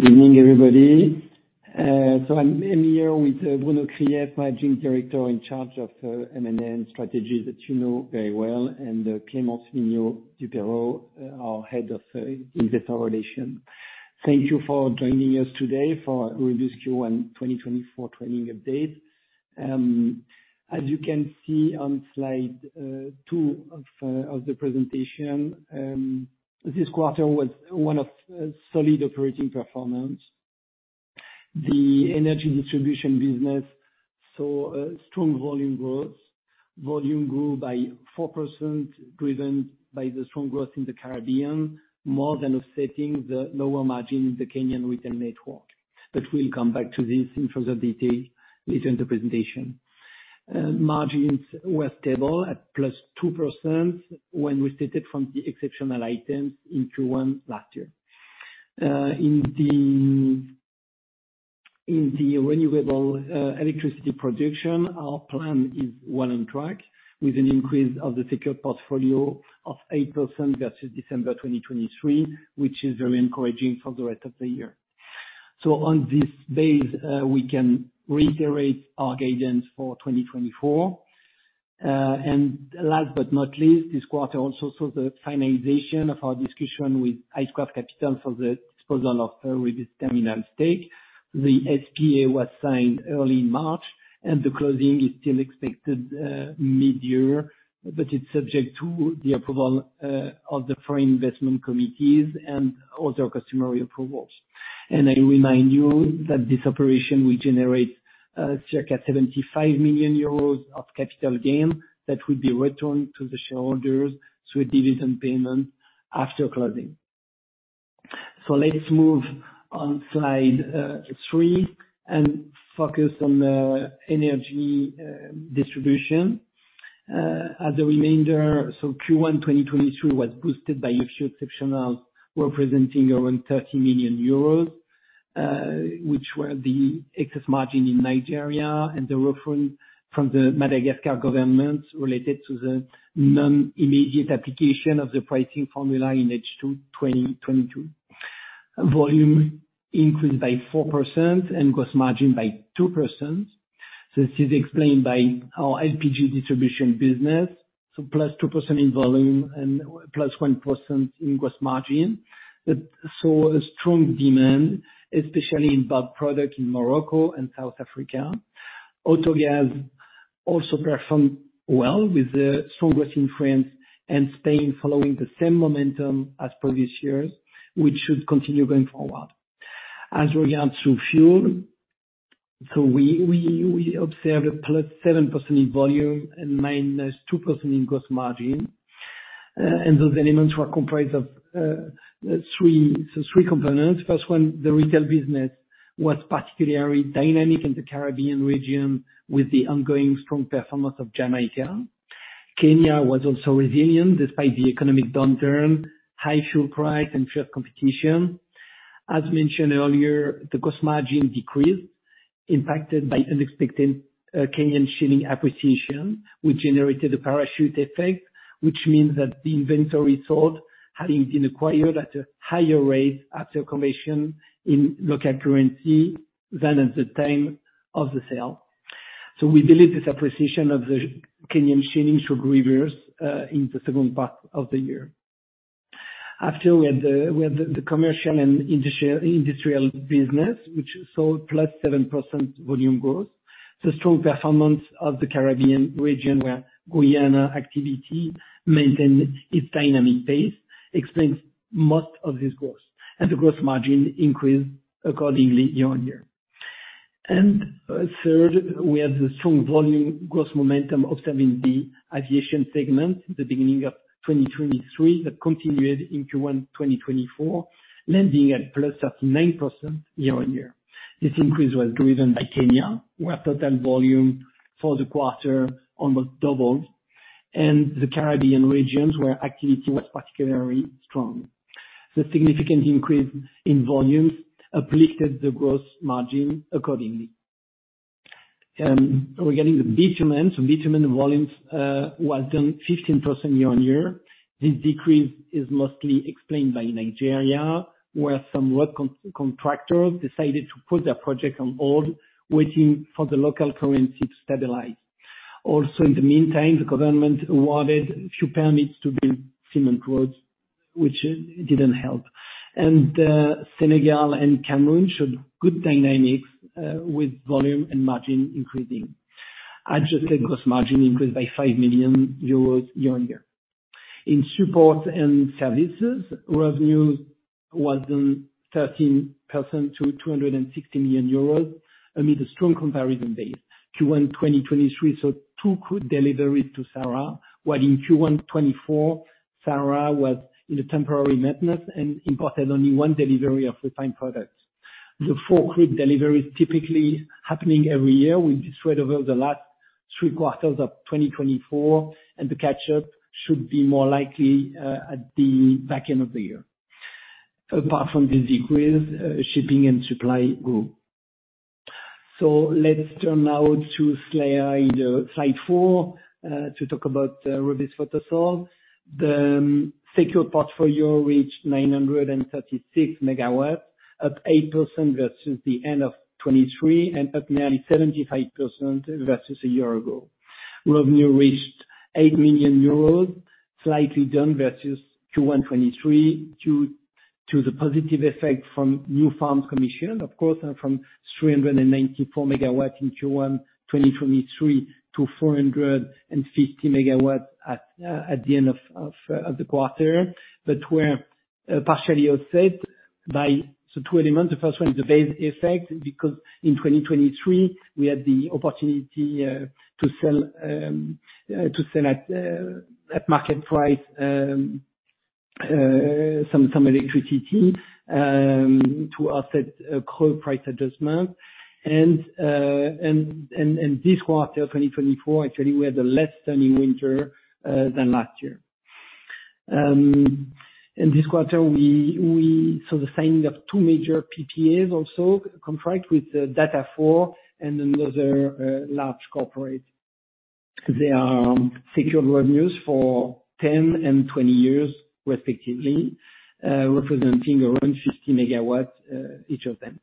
Good evening, everybody. So I'm here with Bruno Krief, Managing Director in charge of M&A and strategy, that you know very well, and Clémence Mignot-Dupeyrot, our Head of Investor Relations. Thank you for joining us today for Rubis Q1 2024 trading update. As you can see on slide two of the presentation, this quarter was one of solid operating performance. The energy distribution business saw a strong volume growth. Volume grew by 4%, driven by the strong growth in the Caribbean, more than offsetting the lower margin in the Kenyan retail network. But we'll come back to this in further detail later in the presentation. Margins were stable at plus 2% when restated from the exceptional items in Q1 last year. In the renewable electricity production, our plan is well on track, with an increase of the secured portfolio of 8% versus December 2023, which is very encouraging for the rest of the year. So on this base, we can reiterate our guidance for 2024. And last but not least, this quarter also saw the finalization of our discussion with I Squared Capital for the disposal of Rubis Terminal stake. The SPA was signed early March, and the closing is still expected mid-year, but it's subject to the approval of the foreign investment committees and other customary approvals. And I remind you that this operation will generate circa 75 million euros of capital gain that will be returned to the shareholders through a dividend payment after closing. So let's move on slide three, and focus on the energy distribution. At the remainder, so Q1 2022 was boosted by a few exceptionals, representing around 30 million euros, which were the excess margin in Nigeria, and the refund from the Madagascar government related to the non-immediate application of the pricing formula in H2 2022. Volume increased by 4% and gross margin by 2%. This is explained by our LPG distribution business, so +2% in volume and +1% in gross margin. It saw a strong demand, especially in bulk product in Morocco and South Africa. Autogas also performed well, with the strong growth in France and Spain following the same momentum as previous years, which should continue going forward. As regards to fuel, so we observed a +7% in volume and -2% in gross margin, and those elements were comprised of three components. First one, the retail business was particularly dynamic in the Caribbean region, with the ongoing strong performance of Jamaica. Kenya was also resilient, despite the economic downturn, high fuel price, and fierce competition. As mentioned earlier, the gross margin decreased, impacted by unexpected Kenyan shilling appreciation, which generated a parachute effect, which means that the inventory sold having been acquired at a higher rate at the commission in local currency than at the time of the sale. So we believe this appreciation of the Kenyan shilling should reverse in the second part of the year. After we had the commercial and industrial business, which saw +7% volume growth. The strong performance of the Caribbean region, where Guyana activity maintained its dynamic pace, explains most of this growth, and the growth margin increased accordingly year-on-year. Third, we had the strong volume growth momentum observed in the aviation segment in the beginning of 2023 that continued in Q1 2024, landing at +39% year-on-year. This increase was driven by Kenya, where total volume for the quarter almost doubled, and the Caribbean regions, where activity was particularly strong. The significant increase in volume uplifted the gross margin accordingly. Regarding the bitumen, so bitumen volumes was down 15% year-on-year. This decrease is mostly explained by Nigeria, where some work contractors decided to put their project on hold, waiting for the local currency to stabilize. Also, in the meantime, the government awarded few permits to build cement roads, which didn't help. And Senegal and Cameroon showed good dynamics, with volume and margin increasing. Adjusted gross margin increased by 5 million euros year-on-year. In support and services, revenues was down 13% to 260 million euros amid a strong comparison base. Q1 2023 saw 2 crude deliveries to SARA, while in Q1 2024, SARA was in a temporary maintenance and imported only 1 delivery of refined products. The four crude deliveries typically happening every year will be spread over the last three quarters of 2024, and the catch up should be more likely at the back end of the year. Apart from the decrease, shipping and supply grew. So let's turn now to slide four, to talk about Rubis Photovoltaïque. The secure portfolio reached 936 MW, up 8% versus the end of 2023, and up nearly 75% versus a year ago. Revenue reached 8 million euros, slightly down versus Q1 2023, due to the positive effect from new farm commission, of course, and from 394 MW in Q1 2023 to 450 MW at the end of the quarter. But were partially offset by the two elements. The first one is the base effect, because in 2023, we had the opportunity to sell at market price some electricity to offset coal price adjustment. And this quarter, 2024, actually we had a less sunny winter than last year. In this quarter, we saw the signing of two major PPAs also, contract with Data4 and another large corporate. They are secured revenues for 10 and 20 years, respectively, representing around 50 MW each of them.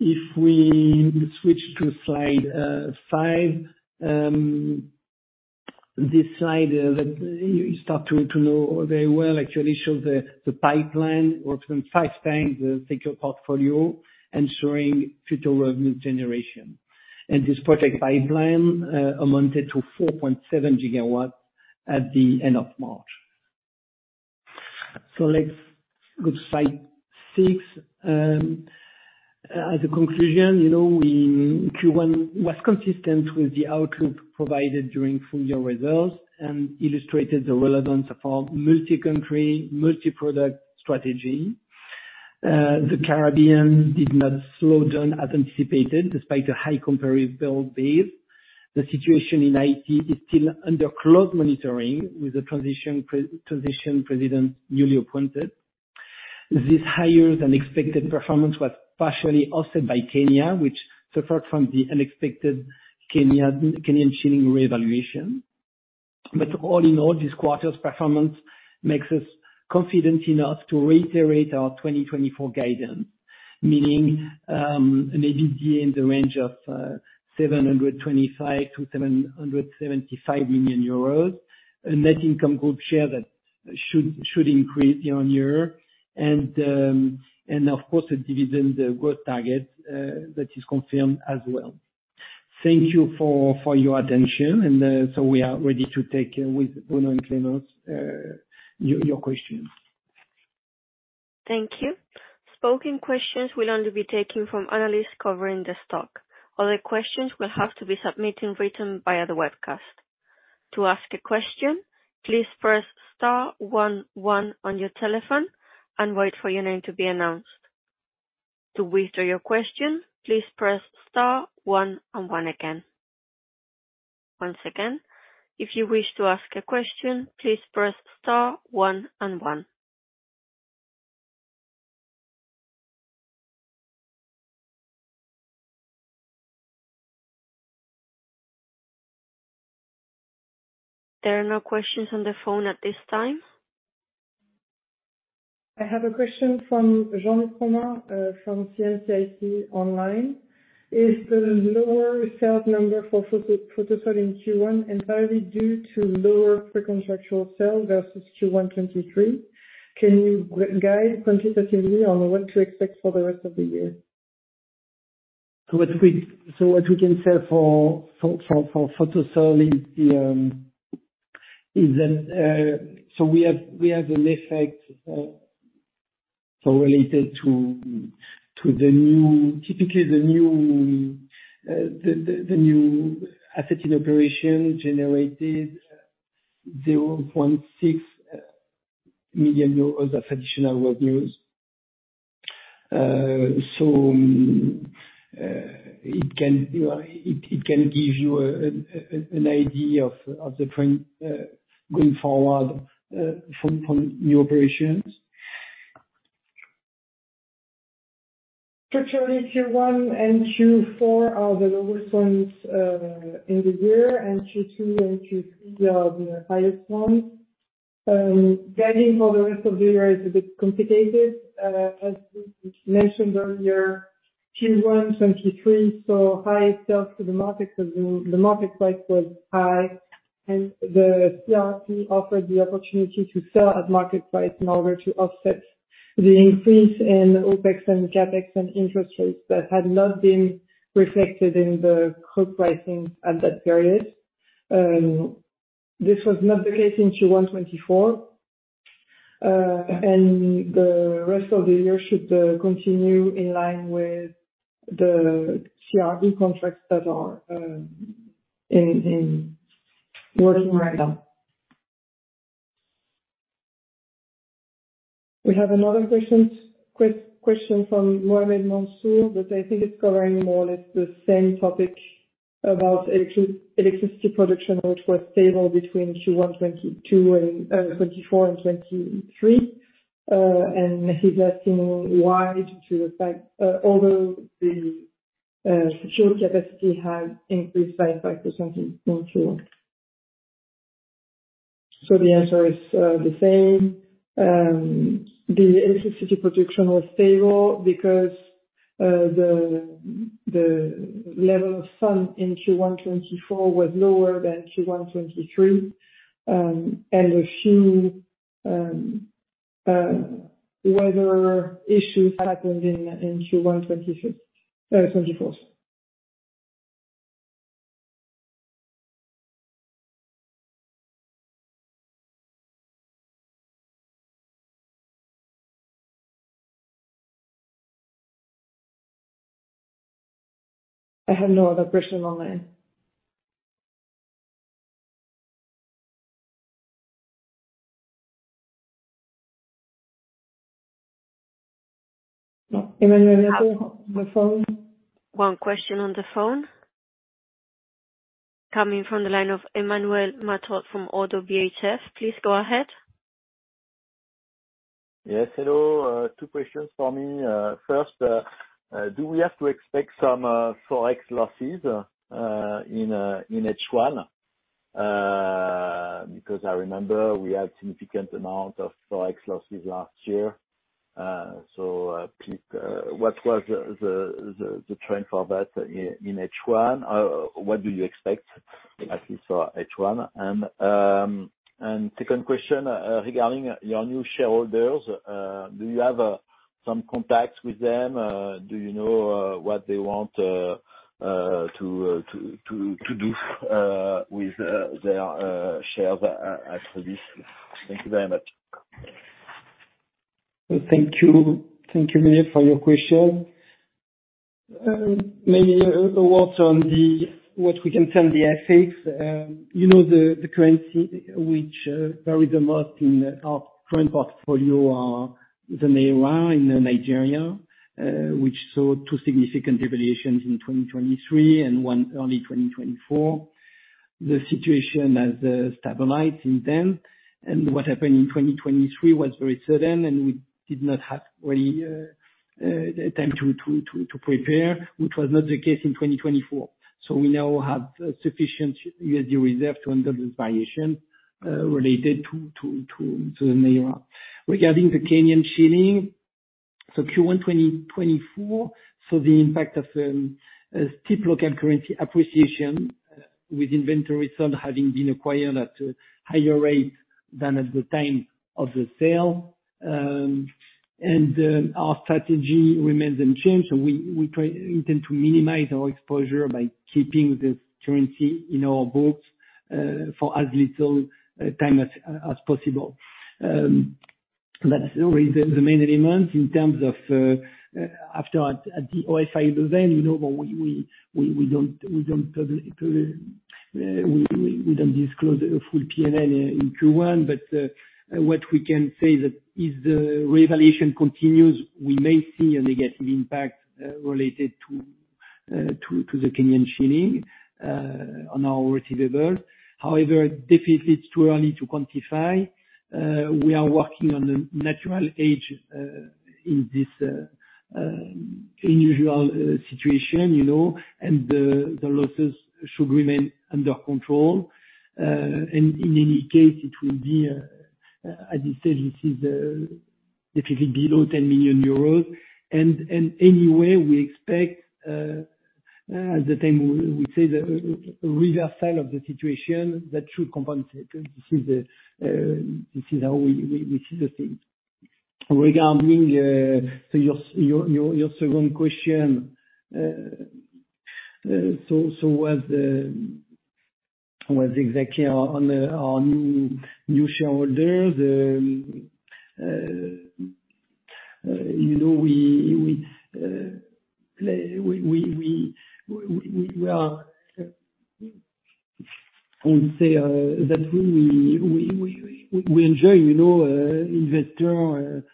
If we switch to slide five. This slide that you start to know very well, actually shows the pipeline works on five times the secure portfolio ensuring future revenue generation. This project pipeline amounted to 4.7 GW at the end of March. Let's go to slide six. As a conclusion, you know, Q1 was consistent with the outlook provided during full-year results, and illustrated the relevance of our multi-country, multi-product strategy. The Caribbean did not slow down as anticipated, despite a high comparable base. The situation in Haiti is still under close monitoring, with the transitional president newly appointed. This higher-than-expected performance was partially offset by Kenya, which suffered from the unexpected Kenyan shilling revaluation. All in all, this quarter's performance makes us confident enough to reiterate our 2024 guidance, meaning an EBITDA in the range of 725 million-775 million euros. Net income group share that should increase year on year, and of course, the dividend growth target that is confirmed as well. Thank you for your attention, and so we are ready to take with Bruno and Clémence your questions. Thank you. Spoken questions will only be taken from analysts covering the stock. Other questions will have to be submitting written via the webcast. To ask a question, please press star one one on your telephone and wait for your name to be announced. To withdraw your question, please press star one and one again. Once again, if you wish to ask a question, please press star one and one. There are no questions on the phone at this time. I have a question from Jean-Luc Romain from CIC Market Solutions online: Is the lower sales number for photovoltaics in Q1 entirely due to lower pre-contractual sales versus Q1 2023? Can you guide quantitatively on what to expect for the rest of the year? So what we can say for photovoltaics is, so we have an effect so related to the new asset in operation generated 0.6 million euros of additional revenues. So it can, you know, it can give you an idea of the trend going forward from new operations. Virtually, Q1 and Q4 are the lower points in the year, and Q2 and Q3 are the highest ones. Guiding for the rest of the year is a bit complicated. As we mentioned earlier, Q1 2023 saw high sales to the market because the market price was high, and the CRE offered the opportunity to sell at market price in order to offset the increase in OPEX and CAPEX and interest rates that had not been reflected in the coal pricing at that period. This was not the case in Q1 2024. And the rest of the year should continue in line with the CRE contracts that are in working right now. We have another question from Mohamed Mansour, but I think it's covering more or less the same topic. About electricity production, which was stable between Q1 2022 and 2024 and 2023. And maybe just seeing why, to the fact, although the solar capacity has increased by 5% in Q1. So the answer is the same. The electricity production was stable because the level of sun in Q1 2024 was lower than Q1 2023. And a few weather issues happened in Q1 2024. I have no other question on line. Emmanuel on the phone? One question on the phone, coming from the line of Emmanuel Matot from ODDO BHF. Please go ahead. Yes. Hello. Two questions for me. First, do we have to expect some Forex losses in H1? Because I remember we had a significant amount of Forex losses last year. So, please, what was the trend for that in H1? What do you expect, at least for H1? And, second question, regarding your new shareholders, do you have some contacts with them? Do you know what they want to do with their shares after this? Thank you very much. Thank you. Thank you, Emmanuel, for your question. Maybe a word on the, what we can tell the FX. You know, the, the currency which vary the most in our current portfolio are the naira in Nigeria, which saw two significant devaluations in 2023, and one early 2024. The situation has stabilized in them, and what happened in 2023 was very sudden, and we did not have really the time to prepare, which was not the case in 2024. So we now have sufficient USD reserve to handle this variation related to the naira. Regarding the Kenyan shilling, so Q1 2024, so the impact of a steep local currency appreciation with inventories on having been acquired at a higher rate than at the time of the sale. Our strategy remains unchanged, so we intend to minimize our exposure by keeping the currency in our books for as little time as possible. But that is the main element in terms of FX at the OFI event, you know. We don't disclose the full PNL in Q1. But what we can say is that if the revaluation continues, we may see a negative impact related to the Kenyan shilling on our receivable. However, definitely it's too early to quantify. We are working on a natural hedge in this unusual situation, you know, and the losses should remain under control. In any case, it will be, as I said, this is definitely below 10 million euros. And anyway, we expect, at the time, we say the reversal of the situation, that should compensate. This is how we see the thing. Regarding, so your second question, so what exactly on new shareholders, you know, we play, we are... I would say that we enjoy, you know, investor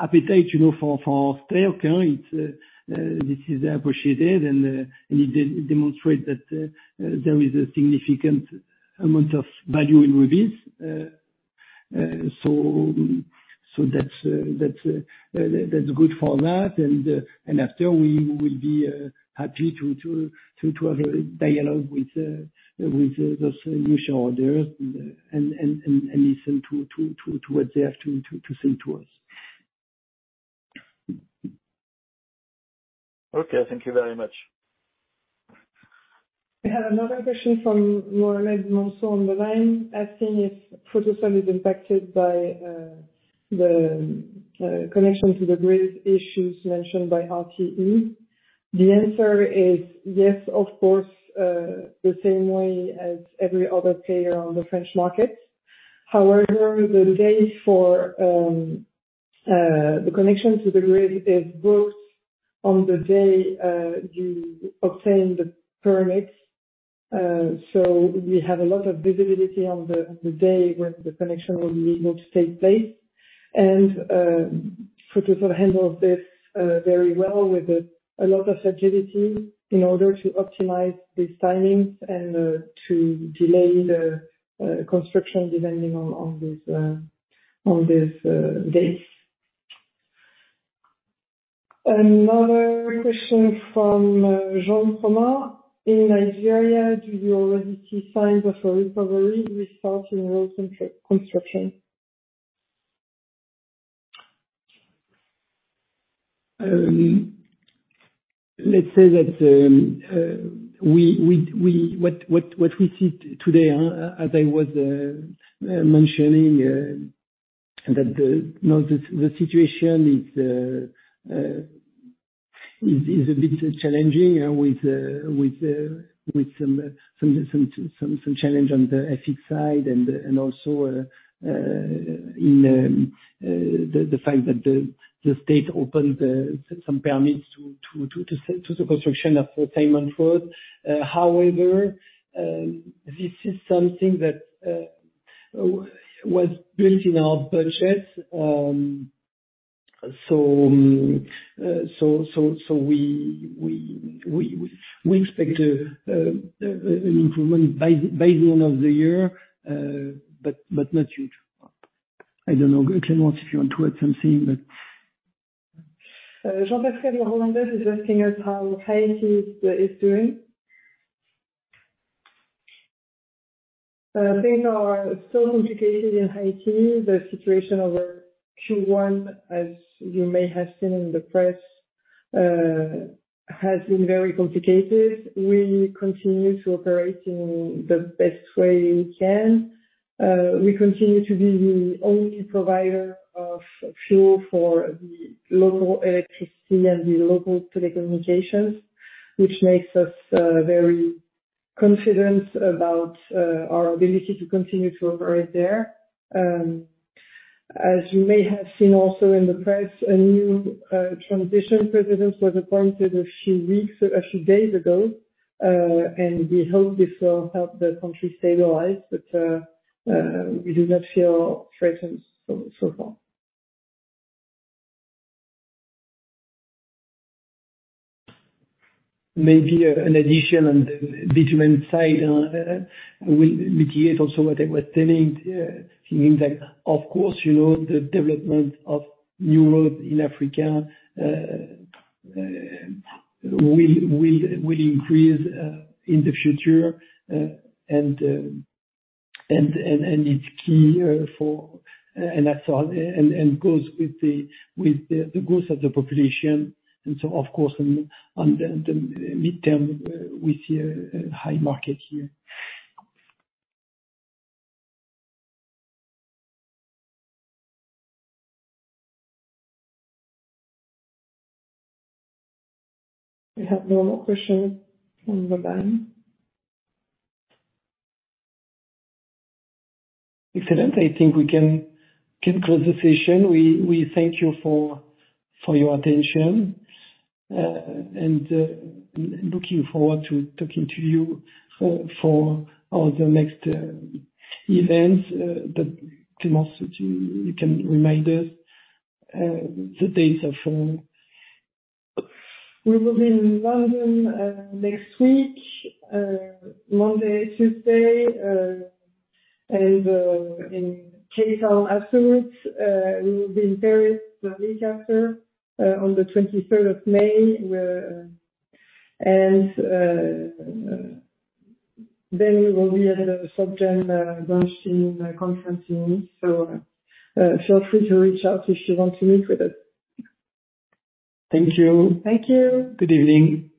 appetite, you know, for our stock, it's this is appreciated and and it demonstrate that there is a significant amount of value in Rubis. So that's good for that. After, we will be happy to have a dialogue with those new shareholders and listen to what they have to say to us. Okay. Thank you very much. I have another question from Mohamed Mansour on the line, asking if Photosol is impacted by the connection to the grid issues mentioned by RTE. The answer is yes, of course, the same way as every other player on the French market. However, the day for the connection to the grid is both on the day you obtain the permit. So we have a lot of visibility on the day when the connection will be able to take place. And Photosol handled this very well, with a lot of agility in order to optimize these timings and to delay the construction depending on these dates. Another question from Jean-Luc Romain. In Nigeria, do you already see signs of a recovery with start in road and construction? Let's say that what we see today, as I was mentioning, that the, you know, the situation is a bit challenging, and with some challenge on the FX side, and also in the fact that the state opened some permits to the construction of the pavement road. However, this is something that was built in our budget. So we expect an improvement by the end of the year, but not huge. I don't know, Clarisse, if you want to add something, but- Jean-Pascal Rolandez is asking us how Haiti is doing. Things are still complicated in Haiti. The situation over Q1, as you may have seen in the press, has been very complicated. We continue to operate in the best way we can. We continue to be the only provider of fuel for the local electricity and the local telecommunications, which makes us very confident about our ability to continue to operate there. As you may have seen also in the press, a new transition president was appointed a few days ago. We hope this will help the country stabilize, but we do not feel threatened so far. Maybe an addition on the bitumen side will mitigate also what I was telling, meaning that, of course, you know, the development of new road in Africa will increase in the future. And it's key for and that's all. And goes with the growth of the population, and so of course on the mid-term, we see a high market here. We have no more questions from the line. Excellent. I think we can close the session. We thank you for your attention, and looking forward to talking to you for our next events. But Clarisse, you can remind us the dates are for- We will be in London next week, Monday, Tuesday, and in case absolutely we will be in Paris the week after, on the twenty-third of May. Then we will be at a Société Générale conference, so feel free to reach out if you want to meet with us. Thank you. Thank you! Good evening.